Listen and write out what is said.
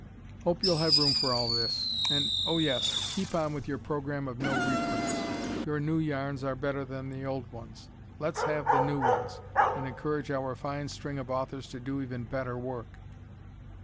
Hope you'll have room for all this. And, oh yes, keep on with your program of "No reprints." Your new yarns are better than the old ones. Let's have the new ones, and encourage our fine string of authors to do even better work.